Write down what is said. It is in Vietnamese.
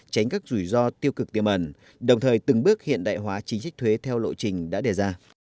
tránh các rủi ro tiêu cực tiêm ẩn đồng thời từng bước hiện đại hóa chính sách thuế theo lộ trình đã đề ra